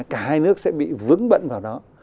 cả hai nước sẽ bị vững bận vào đó